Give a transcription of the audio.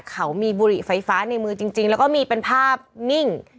เขามีบุหรี่ไฟฟ้าในมือจริงแล้วก็มีเป็นภาพนิ่ง